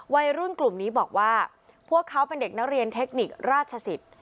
วัยรุ่นกลุ่มนี้บอกว่าพวกเขาเป็นเด็กนักเรียนเทคนิคราชสิทธิ์